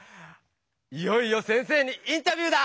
いよいよ先生にインタビューだ！